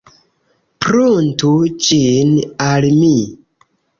Pruntu ĝin al mi!